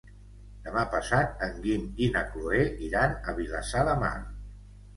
Demà passat en Guim i na Cloè iran a Vilassar de Mar.